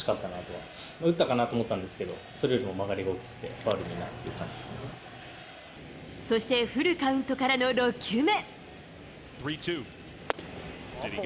もう打ったかなとは思ったんですけど、それよりも曲がりが大きくて、そしてフルカウントからの６球目。